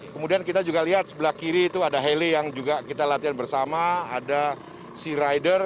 kemudian kita juga lihat sebelah kiri itu ada heli yang juga kita latihan bersama ada sea rider